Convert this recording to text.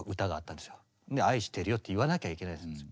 で「愛してるよ」って言わなきゃいけないやつなんですよ。